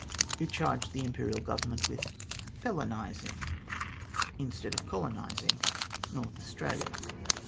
It charged the Imperial Government with " felonising," instead of colonising North Australia.